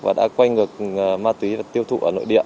và đã quay ngược ma túy tiêu thụ ở nội địa